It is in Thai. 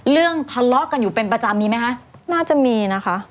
ทะเลาะกันอยู่เป็นประจำมีไหมคะน่าจะมีนะคะ